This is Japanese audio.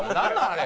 あれ。